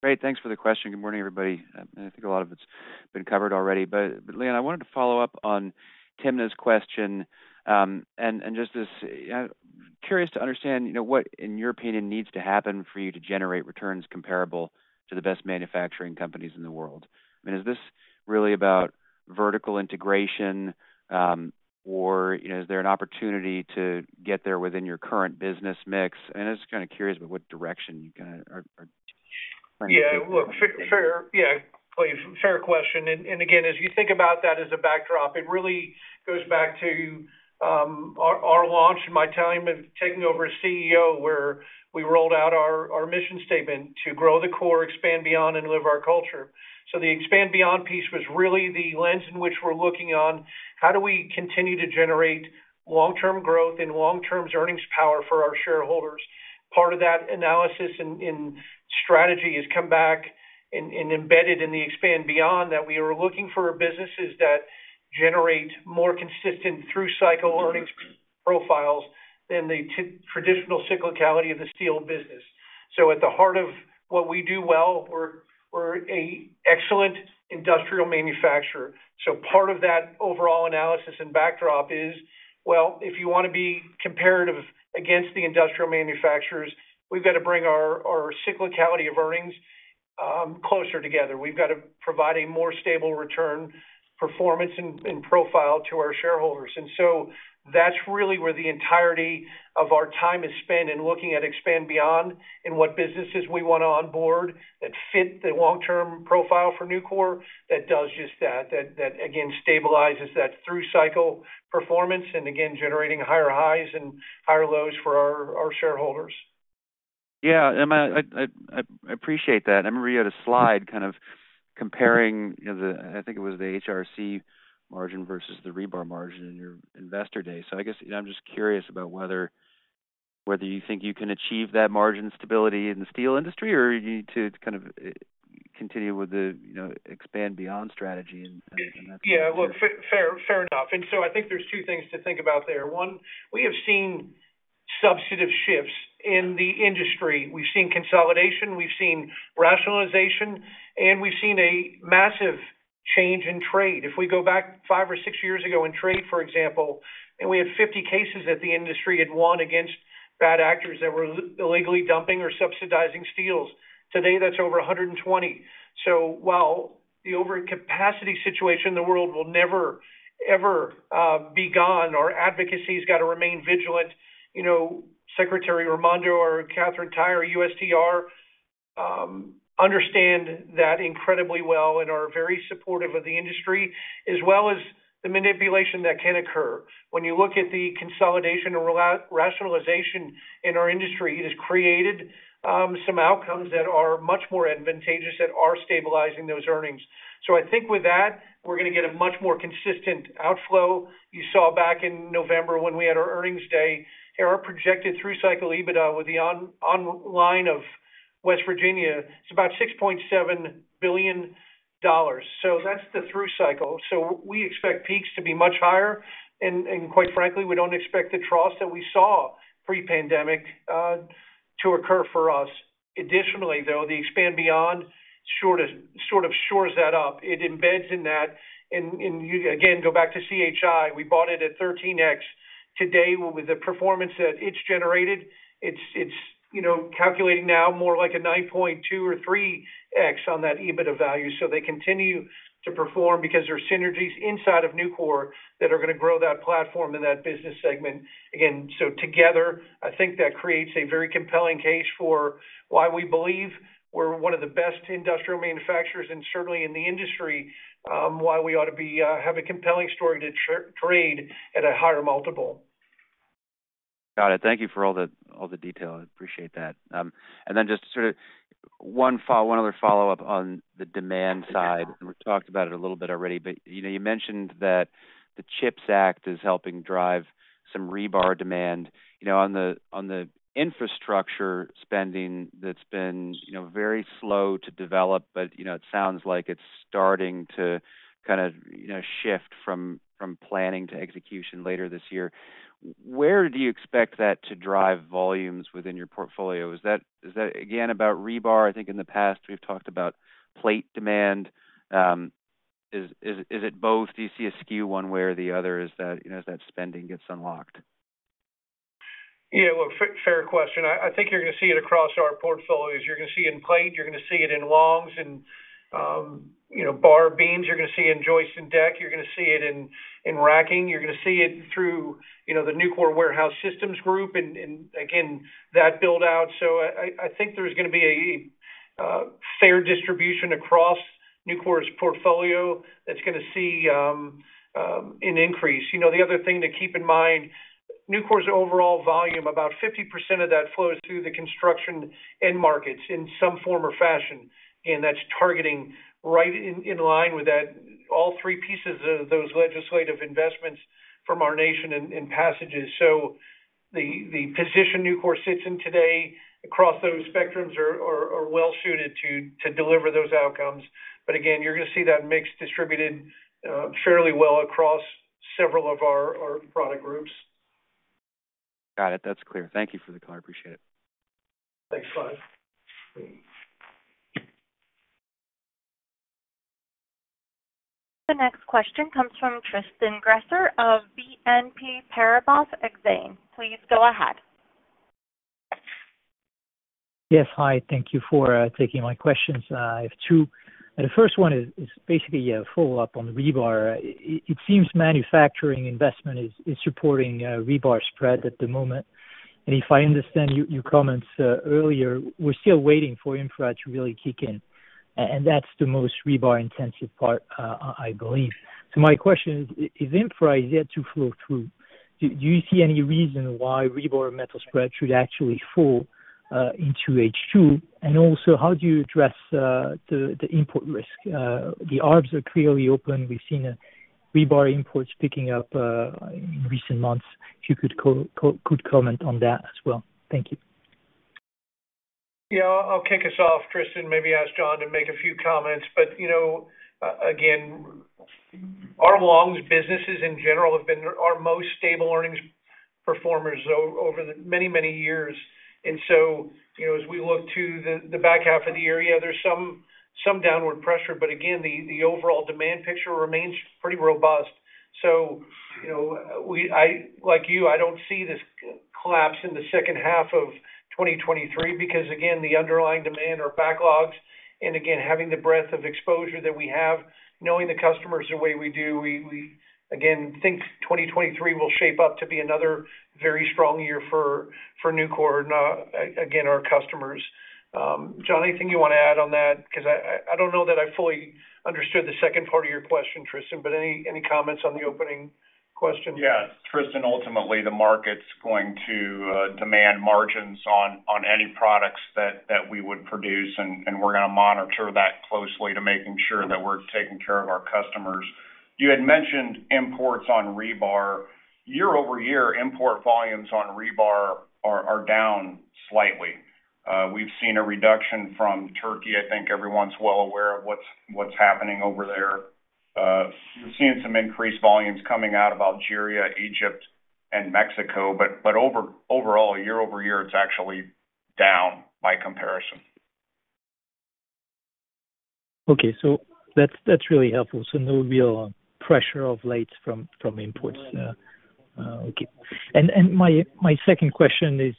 Great. Thanks for the question. Good morning, everybody. I think a lot of it's been covered already. Leon, I wanted to follow up on Timna's question, and just this, curious to understand, you know, what, in your opinion, needs to happen for you to generate returns comparable to the best manufacturing companies in the world? I mean, is this really about vertical integration, or, you know, is there an opportunity to get there within your current business mix? I'm just kind of curious about what direction you guys are trying to take? Yeah, look, fair. Yeah, please, fair question. Again, as you think about that as a backdrop, it really goes back to our launch and my time of taking over as CEO, where we rolled out our mission statement to grow the core, expand beyond, and live our culture. The expand beyond piece was really the lens in which we're looking on, how do we continue to generate long-term growth and long-term earnings power for our shareholders? Part of that analysis and strategy has come back and embedded in the expand beyond that, we are looking for businesses that generate more consistent through-cycle earnings profiles than the traditional cyclicality of the steel business. At the heart of what we do well, we're a excellent industrial manufacturer. Part of that overall analysis and backdrop is, well, if you want to be comparative against the industrial manufacturers, we've got to bring our cyclicality of earnings, closer together. We've got to provide a more stable return, performance, and profile to our shareholders. That's really where the entirety of our time is spent in looking at expand beyond and what businesses we want to onboard that fit the long-term profile for Nucor that does just that again, stabilizes that through-cycle performance and again, generating higher highs and higher lows for our shareholders. I appreciate that. I remember you had a slide kind of comparing the, I think it was the HRC margin versus the rebar margin in your investor day. I guess I'm just curious about whether you think you can achieve that margin stability in the steel industry, or you need to kind of continue with the, you know, expand beyond strategy? Yeah, look, fair enough. I think there's two things to think about there. One, we have seen substantive shifts in the industry. We've seen consolidation, we've seen rationalization, and we've seen a massive change in trade. If we go back five or six years ago in trade, for example, and we had 50 cases that the industry had won against bad actors that were illegally dumping or subsidizing steels. Today, that's over 120. While the overcapacity situation in the world will never, ever be gone, our advocacy has got to remain vigilant. You know, Secretary Raimondo or Katherine Tai, USTR, understand that incredibly well and are very supportive of the industry, as well as the manipulation that can occur. When you look at the consolidation and rationalization in our industry, it has created some outcomes that are much more advantageous, that are stabilizing those earnings. I think with that, we're gonna get a much more consistent outflow. You saw back in November when we had our earnings day, our projected through-cycle EBITDA with the online of West Virginia is about $6.7 billion. That's the through cycle. We expect peaks to be much higher, and quite frankly, we don't expect the troughs that we saw pre-pandemic to occur for us. Additionally, though, the expand beyond sort of shores that up. It embeds in that, and you again, go back to C.H.I., we bought it at 13x. Today, with the performance that it's generated, it's, you know, calculating now more like a 9.2x or 3x on that EBITDA value. They continue to perform because there are synergies inside of Nucor that are gonna grow that platform and that business segment. Again, together, I think that creates a very compelling case for why we believe we're one of the best industrial manufacturers, and certainly in the industry, why we ought to be have a compelling story to trade at a higher multiple. Got it. Thank you for all the detail. I appreciate that. Then just sort of one other follow-up on the demand side, and we've talked about it a little bit already, but, you know, you mentioned that the CHIPS Act is helping drive some rebar demand. You know, on the infrastructure spending, that's been, you know, very slow to develop, but, you know, it sounds like it's starting to kind of, you know, shift from planning to execution later this year. Where do you expect that to drive volumes within your portfolio? Is that again about rebar? I think in the past, we've talked about plate demand. Is it both? Do you see a skew one way or the other as that spending gets unlocked? Yeah, well, fair question. I think you're going to see it across our portfolio. You're going to see in plate, you're going to see it in longs and, you know, bar beams. You're going to see in joist and deck. You're going to see it in racking. You're going to see it through, you know, the Nucor Warehouse Systems group, and again, that build out. I think there's going to be a fair distribution across Nucor's portfolio that's going to see an increase. You know, the other thing to keep in mind, Nucor's overall volume, about 50% of that flows through the construction end markets in some form or fashion, and that's targeting right in line with that, all three pieces of those legislative investments from our nation and passages. The position Nucor sits in today across those spectrums are well suited to deliver those outcomes. Again, you're going to see that mix distributed fairly well across several of our product groups. Got it. That's clear. Thank you for the call. I appreciate it. Thanks, Cleve. The next question comes from Tristan Gresser of BNP Paribas Exane. Please go ahead. Yes. Hi, thank you for taking my questions. I have two. The first one is basically a follow-up on rebar. It seems manufacturing investment is supporting rebar spread at the moment. If I understand your comments earlier, we're still waiting for infra to really kick in, and that's the most rebar-intensive part, I believe. My question is, infra is yet to flow through? Do you see any reason why rebar metal spread should actually fall into H2? Also, how do you address the import risk? The arbs are clearly open. We've seen rebar imports picking up in recent months. If you could comment on that as well. Thank you. Yeah, I'll kick us off, Tristan, maybe ask John to make a few comments. You know, again, our longs businesses in general have been our most stable earnings performers over the many, many years. You know, as we look to the back half of the year, yeah, there's some downward pressure, again, the overall demand picture remains pretty robust. You know, I like you, I don't see this collapse in the second half of 2023 because, again, the underlying demand are backlogs. Again, having the breadth of exposure that we have, knowing the customers the way we do, we, again, think 2023 will shape up to be another very strong year for Nucor, and again, our customers. John, anything you want to add on that? I don't know that I fully understood the second part of your question, Tristan, but any comments on the opening question? Yes, Tristan, ultimately, the market's going to demand margins on any products that we would produce, and we're going to monitor that closely to making sure that we're taking care of our customers. You had mentioned imports on rebar. Year-over-year, import volumes on rebar are down slightly. We've seen a reduction from Turkey. I think everyone's well aware of what's happening over there. We've seen some increased volumes coming out of Algeria, Egypt, and Mexico, but overall, year-over-year, it's actually down by comparison. That's really helpful. There will be a pressure of late from imports. Okay. My second question is,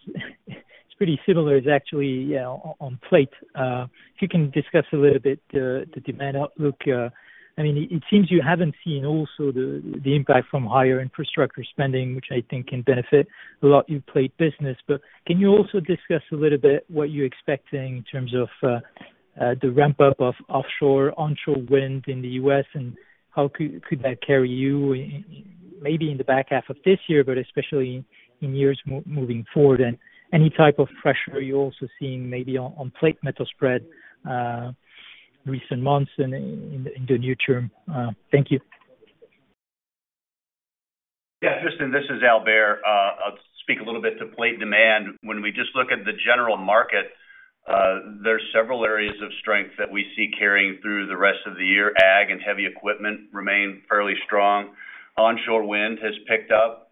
it's pretty similar. It's actually on plate. If you can discuss a little bit the demand outlook. I mean, it seems you haven't seen also the impact from higher infrastructure spending, which I think can benefit a lot your plate business. Can you also discuss a little bit what you're expecting in terms of the ramp-up of offshore, onshore wind in the U.S., and how could that carry you maybe in the back half of this year, but especially in years moving forward? Any type of pressure you're also seeing maybe on plate metal spread recent months and in the near term? Thank you. Tristan Gresser, this is Al Behr. I'll speak a little bit to plate demand. We just look at the general market, there are several areas of strength that we see carrying through the rest of the year. Ag and heavy equipment remain fairly strong. Onshore wind has picked up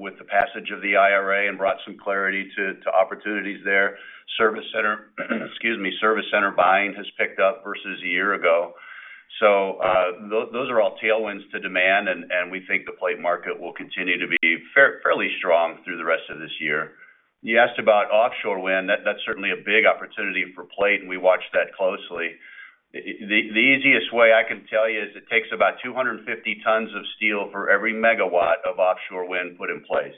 with the passage of the IRA and brought some clarity to opportunities there. Service center buying has picked up versus a year ago. Those are all tailwinds to demand, and we think the plate market will continue to be fairly strong through the rest of this year. You asked about offshore wind. That's certainly a big opportunity for plate, and we watch that closely. The easiest way I can tell you is it takes about 250 tons of steel for every megawatt of offshore wind put in place.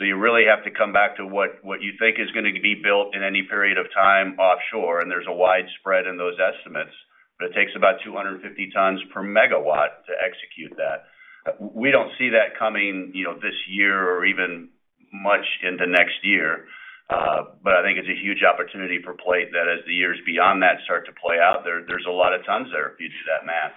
You really have to come back to what you think is going to be built in any period of time offshore, and there's a wide spread in those estimates. It takes about 250 tons per megawatt to execute that. We don't see that coming, you know, this year or even much into next year. I think it's a huge opportunity for plate that as the years beyond that start to play out, there's a lot of tons there if you do that math.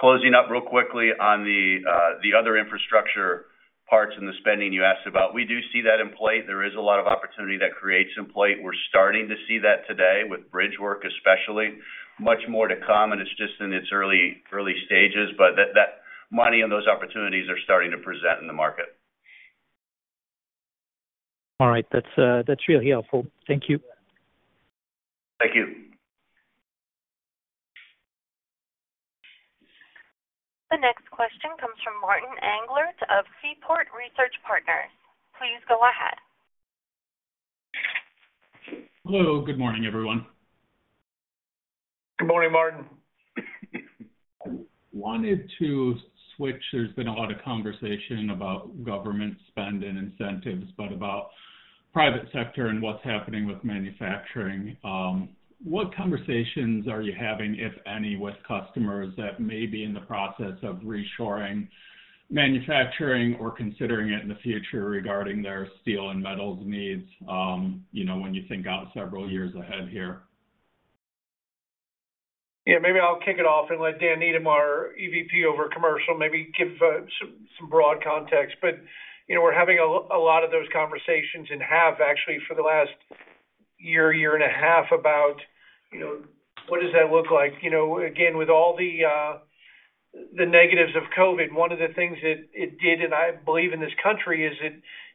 Closing up real quickly on the other infrastructure parts and the spending you asked about. We do see that in plate. There is a lot of opportunity that creates in plate. We're starting to see that today with bridge work, especially. Much more to come, it's just in its early stages, that money and those opportunities are starting to present in the market. All right. That's, that's really helpful. Thank you. Thank you. The next question comes from Martin Englert of Seaport Research Partners. Please go ahead. Hello, good morning, everyone. Good morning, Martin. I wanted to switch. There's been a lot of conversation about government spend and incentives, but about private sector and what's happening with manufacturing. What conversations are you having, if any, with customers that may be in the process of reshoring, manufacturing, or considering it in the future regarding their steel and metals needs, you know, when you think out several years ahead here? Yeah, maybe I'll kick it off and let Dan Needham, our EVP over Commercial, maybe give some broad context. You know, we're having a lot of those conversations and have actually for the last year and a half about, you know, what does that look like? You know, again, with all the negatives of COVID, one of the things that it did, and I believe in this country, is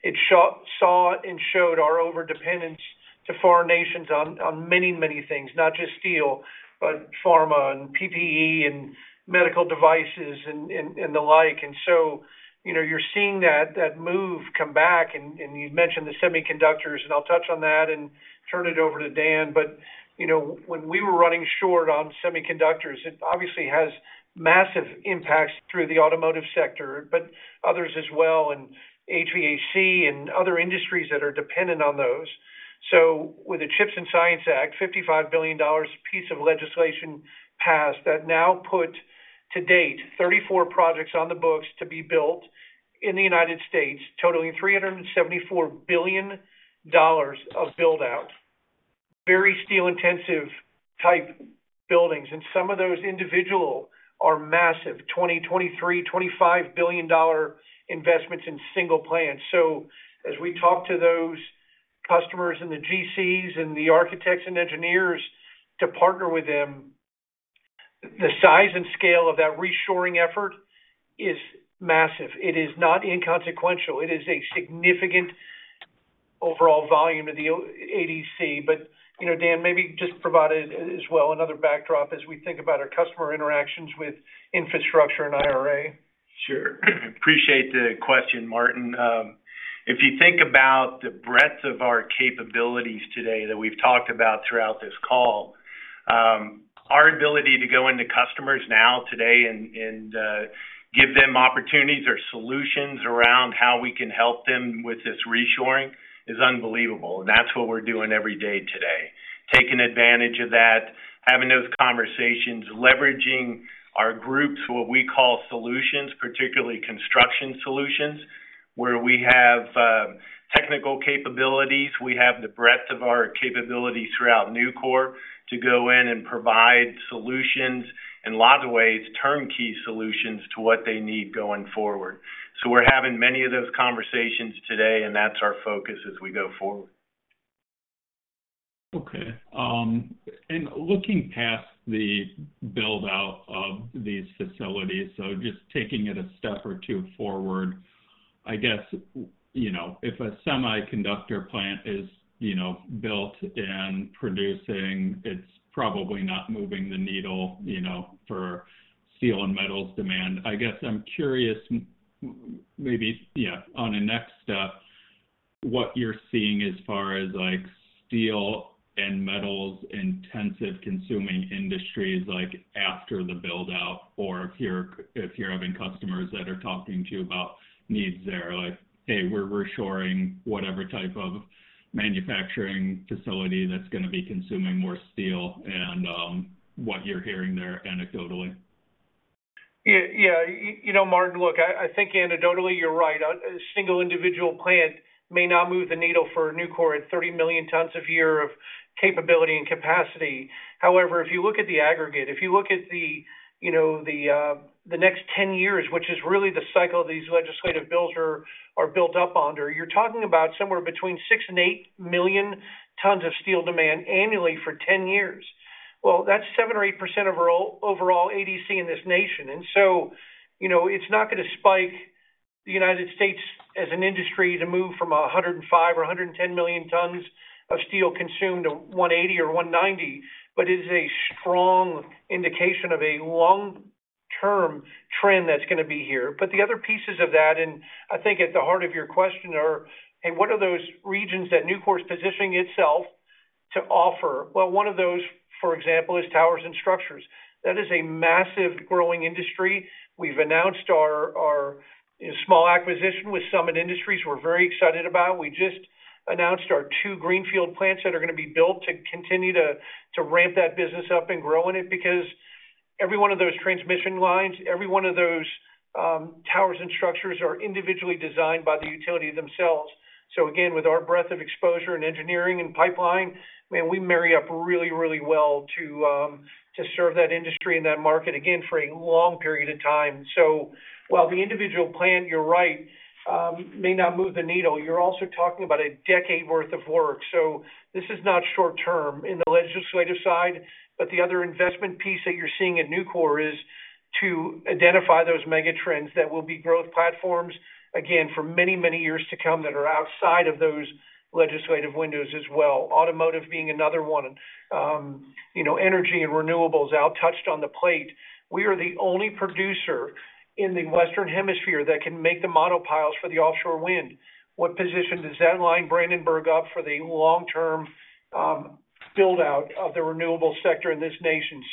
it saw and showed our overdependence to foreign nations on many things, not just steel, but pharma and PPE and medical devices and the like. You know, you're seeing that move come back and you mentioned the semiconductors, and I'll touch on that and turn it over to Dan. You know, when we were running short on semiconductors, it obviously has massive impacts through the automotive sector, but others as well, and HVAC and other industries that are dependent on those. With the CHIPS and Science Act, $55 billion piece of legislation passed that now put to date, 34 projects on the books to be built in the United States, totaling $374 billion of build out. Very steel-intensive type buildings, and some of those individual are massive, $20 billion, $23 billion, $25 billion investments in single plants. As we talk to those customers and the GCs and the architects and engineers to partner with them, the size and scale of that reshoring effort is massive. It is not inconsequential. It is a significant overall volume to the ADC. You know, Dan, maybe just provide a, as well, another backdrop as we think about our customer interactions with infrastructure and IRA. Sure. Appreciate the question, Martin. If you think about the breadth of our capabilities today that we've talked about throughout this call, our ability to go into customers now today and give them opportunities or solutions around how we can help them with this reshoring is unbelievable. That's what we're doing every day today, taking advantage of that, having those conversations, leveraging our groups, what we call solutions, particularly construction solutions, where we have technical capabilities. We have the breadth of our capabilities throughout Nucor to go in and provide solutions, in a lot of ways, turnkey solutions to what they need going forward. We're having many of those conversations today, and that's our focus as we go forward. Okay. Looking past the build-out of these facilities, so just taking it a step or two forward, I guess, you know, if a semiconductor plant is, you know, built and producing, it's probably not moving the needle, you know, for steel and metals demand. I guess I'm curious, maybe, yeah, on a next step, what you're seeing as far as, like, steel and metals-intensive consuming industries, like, after the build-out, or if you're having customers that are talking to you about needs there, like, "Hey, we're reshoring whatever type of manufacturing facility that's gonna be consuming more steel," and what you're hearing there anecdotally. Yeah, yeah. You know, Martin, look, I think anecdotally, you're right. A single individual plant may not move the needle for Nucor at 30 million tons a year of capability and capacity. However, if you look at the aggregate, if you look at the, you know, the next 10 years, which is really the cycle these legislative bills are built up under, you're talking about somewhere between 6 million ton to 8 million tons of steel demand annually for 10 years. Well, that's 7% or 8% of our overall ADC in this nation. You know, it's not gonna spike the United States as an industry to move from 105 million or 110 million tons of steel consumed to 180 million or 190 million, but it is a strong indication of a long-term trend that's gonna be here. The other pieces of that, I think at the heart of your question, are: What are those regions that Nucor is positioning itself to offer? One of those, for example, is towers and structures. That is a massive growing industry. We've announced our small acquisition with Summit Utility Structures. We're very excited about. We just announced our two greenfield plants that are going to be built to continue to ramp that business up and growing it. Every one of those transmission lines, every one of those towers and structures, are individually designed by the utility themselves. Again, with our breadth of exposure and engineering and pipeline, man, we marry up really, really well to serve that industry and that market, again, for a long period of time. While the individual plan, you're right, may not move the needle, you're also talking about a decade worth of work. This is not short term in the legislative side, but the other investment piece that you're seeing at Nucor is to identify those mega trends that will be growth platforms, again, for many, many years to come that are outside of those legislative windows as well. Automotive being another one. You know, energy and renewables, Al touched on the plate. We are the only producer in the Western Hemisphere that can make the monopiles for the offshore wind. What position does that line Brandenburg up for the long-term build-out of the renewable sector in this nation?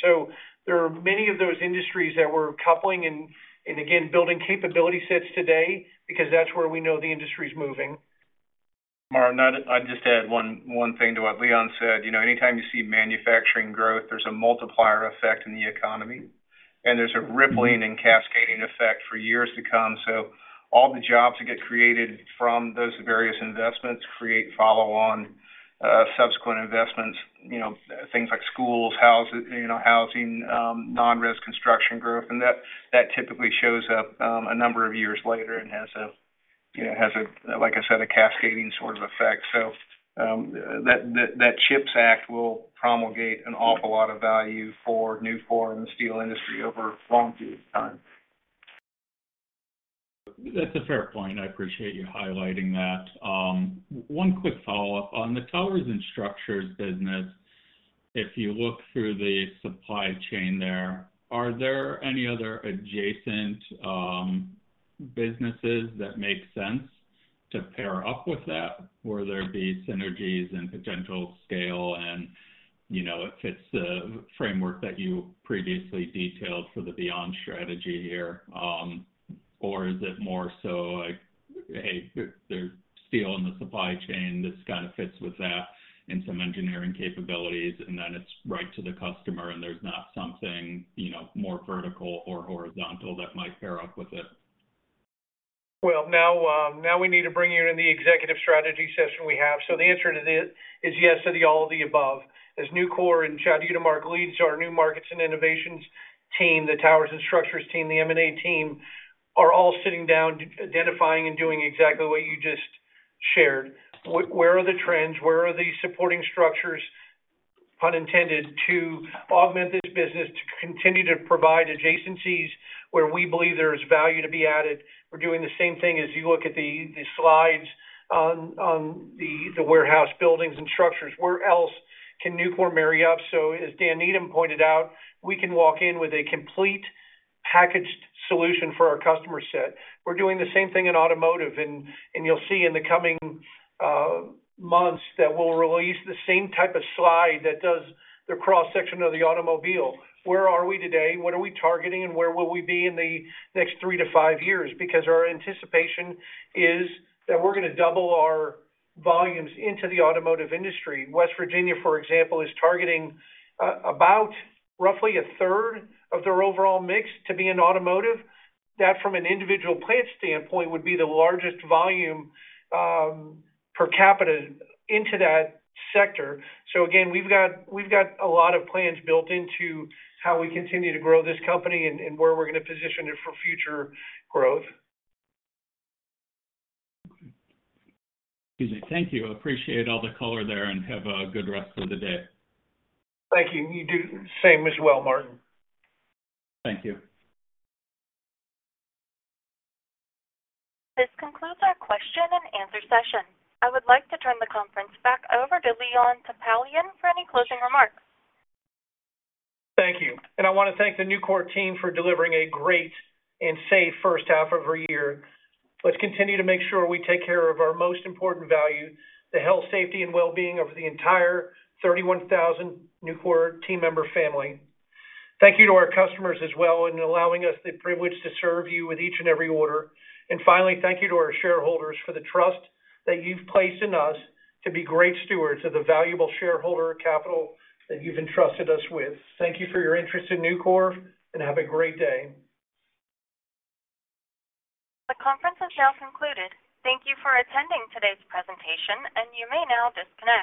There are many of those industries that we're coupling and, again, building capability sets today because that's where we know the industry is moving. Martin, I'd just add one thing to what Leon said. You know, anytime you see manufacturing growth, there's a multiplier effect in the economy, and there's a rippling and cascading effect for years to come. All the jobs that get created from those various investments create follow-on, subsequent investments, you know, things like schools, houses, you know, housing, non-risk construction growth. That typically shows up a number of years later and has a, you know, has a, like I said, a cascading sort of effect. That CHIPS Act will promulgate an awful lot of value for Nucor and the steel industry over a long period of time. That's a fair point. I appreciate you highlighting that. One quick follow-up. On the Nucor Towers & Structures business, if you look through the supply chain there, are there any other adjacent businesses that make sense to pair up with that, where there be synergies and potential scale and, you know, it fits the framework that you previously detailed for the Beyond Strategy here? Is it more so like, hey, there's steel in the supply chain that kinda fits with that and some engineering capabilities, and then it's right to the customer, and there's not something, you know, more vertical or horizontal that might pair up with it? Well, now we need to bring you in the executive strategy session we have. The answer to this is yes to the all of the above. As Nucor and Chad Utermark leads our new markets and innovations team, the towers and structures team, the M&A team, are all sitting down, identifying and doing exactly what you just shared. Where are the trends? Where are the supporting structures, pun intended, to augment this business, to continue to provide adjacencies where we believe there is value to be added? We're doing the same thing as you look at the slides on the warehouse buildings and structures. Where else can Nucor marry up? As Dan Needham pointed out, we can walk in with a complete packaged solution for our customer set. We're doing the same thing in automotive, and you'll see in the coming months that we'll release the same type of slide that does the cross-section of the automobile. Where are we today? What are we targeting? Where will we be in the next three years to five years? Our anticipation is that we're gonna double our volumes into the automotive industry. West Virginia, for example, is targeting about roughly a third of their overall mix to be in automotive. That, from an individual plant standpoint, would be the largest volume per capita into that sector. Again, we've got a lot of plans built into how we continue to grow this company and where we're gonna position it for future growth. Thank you. I appreciate all the color there, and have a good rest of the day. Thank you. You do the same as well, Martin. Thank you. This concludes our question and answer session. I would like to turn the conference back over to Leon Topalian for any closing remarks. Thank you. I want to thank the Nucor team for delivering a great and safe first half of our year. Let's continue to make sure we take care of our most important value, the health, safety, and well-being of the entire 31,000 Nucor team member family. Thank you to our customers as well in allowing us the privilege to serve you with each and every order. Finally, thank you to our shareholders for the trust that you've placed in us to be great stewards of the valuable shareholder capital that you've entrusted us with. Thank you for your interest in Nucor, and have a great day. The conference is now concluded. Thank you for attending today's presentation. You may now disconnect.